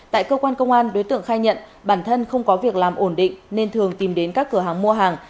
tại cơ quan công an đối tượng khai nhận bản thân không có việc làm ổn định nên thường tìm đến các cửa hàng mua hàng